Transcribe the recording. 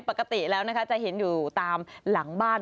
ปกติแล้วนะคะจะเห็นอยู่ตามหลังบ้าน